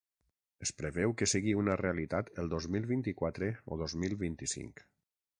Es preveu que sigui una realitat el dos mil vint-i-quatre o dos mil vint-i-cinc.